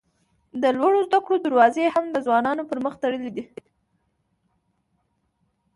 د لوړو زده کړو دروازې هم د ځوانانو پر مخ تړلي دي.